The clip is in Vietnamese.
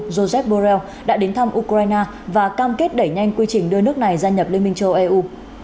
joseph borrell đã đến thăm ukraine và cam kết đẩy nhanh quy trình đưa nước này gia nhập liên minh châu âu